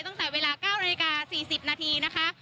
ตั้งแต่เวลา๙นาฬิกา๔๐นาทีนะคะ